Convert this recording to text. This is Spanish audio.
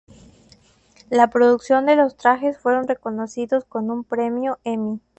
La producción de los trajes fueron reconocidos con un Premio Emmy.